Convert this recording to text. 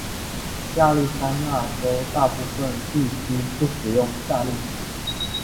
亚利桑那州大部分地区不使用夏令时。